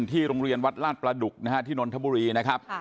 ที่โรงเรียนวัดลาดประดุกนะฮะที่นนทบุรีนะครับ